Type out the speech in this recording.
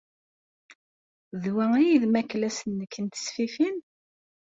D wa ay d ameklas-nnek n tesfifin?